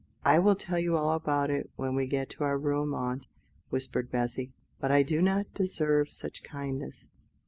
"I will tell you all about it when we get to our room, aunt," whispered Bessy; "but I do not deserve such kindness.